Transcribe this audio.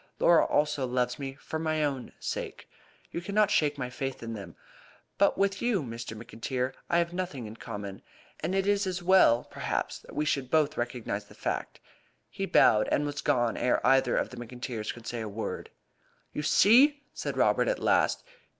Laura also loves me for my own sake. You cannot shake my faith in them. But with you, Mr. McIntyre, I have nothing in common; and it is as well, perhaps, that we should both recognise the fact." He bowed, and was gone ere either of the McIntyres could say a word. "You see!" said Robert at last.